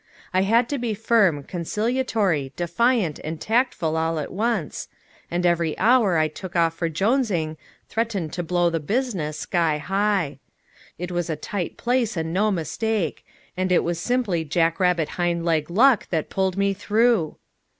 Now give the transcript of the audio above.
I had to be firm, conciliatory, defiant and tactful all at once, and every hour I took off for Jonesing threatened to blow the business sky high. It was a tight place and no mistake, and it was simply jack rabbit hindleg luck that pulled me through!